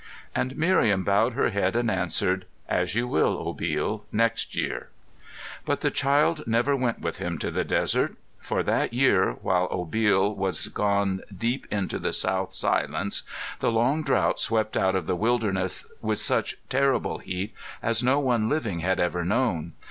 And Miriam bowed her head and answered, "As you will, Obil next year." But the child never went with him to the desert. For that year, while Obil was gone deep into the South silence, the long drouth swept out of the wilderness with such terrible heat as no one living had ever known.